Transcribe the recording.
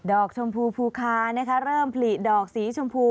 ดอกชมพูพูคาเริ่มผลิดอกสีชมพู